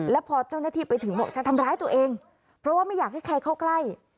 แล้วพอเจ้าหน้าที่ไปถึงบอกจะทำร้ายตัวเองเพราะว่าไม่อยากให้ใครเข้าใกล้